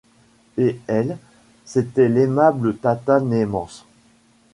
Et « elle », c’était l’aimable Tatanémance !